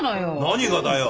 何がだよ？